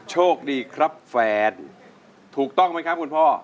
โชคดีครับแฟนถูกต้องไหมครับคุณพ่อ